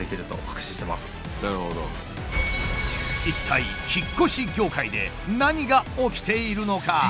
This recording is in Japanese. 一体引っ越し業界で何が起きているのか？